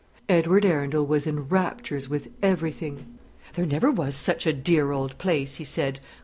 Edward Arundel was in raptures with everything. "There never was such a dear old place," he said.